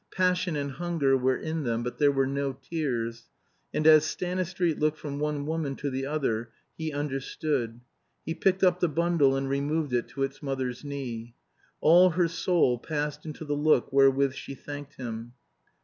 Passion and hunger were in them, but there were no tears. And as Stanistreet looked from one woman to the other, he understood. He picked up the bundle and removed it to its mother's knee. All her soul passed into the look wherewith she thanked him.